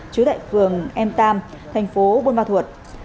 chứa tại phường m ba tp buôn ma thuột